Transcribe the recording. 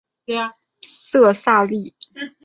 色萨利。